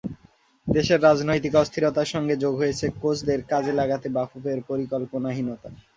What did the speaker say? দেশের রাজনৈতিক অস্থিরতার সঙ্গে যোগ হয়েছে কোচদের কাজে লাগাতে বাফুফের পরিকল্পনাহীনতা।